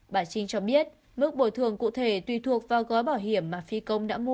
bà trinh cho biết mức bồi thường cụ thể tùy thuộc vào gói bảo hiểm mà phi công đã mua